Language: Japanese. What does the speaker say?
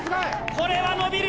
これは伸びる！